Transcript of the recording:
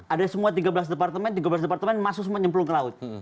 ada semua tiga belas departemen tiga belas departemen masuk menyemplung ke laut